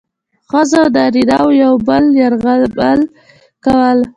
ښځو او نارینه وو یو بل یرغمل کول.